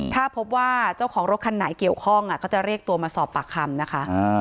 ถ้าพบว่าเจ้าของรถคันไหนเกี่ยวข้องก็จะเรียกตัวมาสอบปากคำนะคะ